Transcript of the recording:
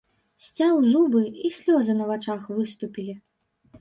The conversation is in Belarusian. Сцяў зубы, і слёзы на вачах выступілі.